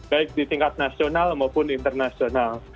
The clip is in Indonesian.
baik di tingkat nasional maupun internasional